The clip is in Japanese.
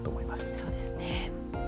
そうですね。